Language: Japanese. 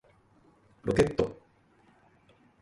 ロケット